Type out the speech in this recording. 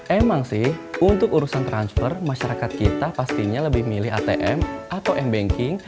emang sih untuk urusan transfer masyarakat kita pastinya lebih milih atm atau m banking